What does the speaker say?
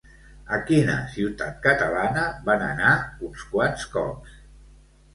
A quina ciutat catalana van anar uns quants cops?